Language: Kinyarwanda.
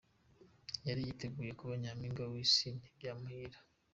Yari yiteguye kuba Nyampinga w'isi ntibyamuhira.